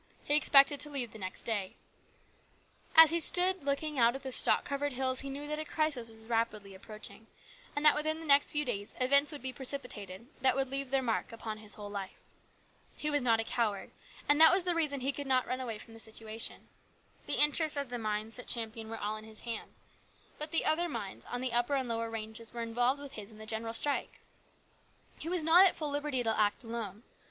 He expected to leave the next day. As he stood looking out at the stock covered hills he knew that a crisis was rapidly approaching, and that within the next few days events would be precipitated that would leave their mark upon his whole life. He was not a coward, and that was the reason he could not run away from the situation. The interests of the mines at Champion were all in his hands, but the other mines on the upper and lower ranges were involved with his in the general strike. He was not at full liberty to act alone.